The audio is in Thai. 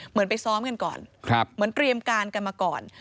เหมือนไปซ้อมกันก่อนเหมือนเตรียมการกันมาก่อน